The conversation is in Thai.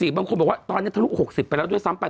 บางคนบอกว่าตอนนี้ทะลุ๖๐ไปแล้วด้วยซ้ำไป